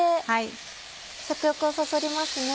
食欲をそそりますね。